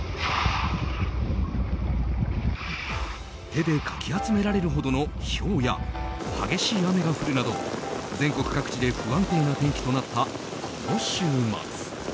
手でかき集められるほどのひょうや激しい雨が降るなど全国各地で不安定な天気となったこの週末。